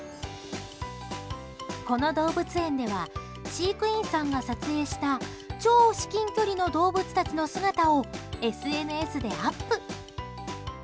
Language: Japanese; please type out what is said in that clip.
この動物園では飼育員さんが撮影した超至近距離の動物たちの姿をＳＮＳでアップ。